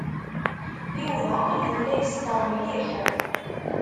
Yuba yella yeskeṛ mliḥ.